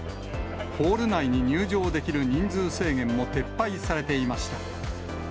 ホール内に入場できる人数制限も撤廃されていました。